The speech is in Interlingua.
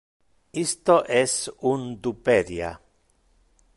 Isto es un duperia.